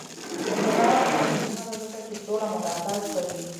د بیان ازادي مهمه ده ځکه چې سوله ملاتړ کوي.